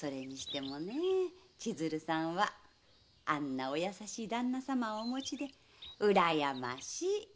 千鶴さんはあんなお優しい旦那様をお持ちでうらやましい。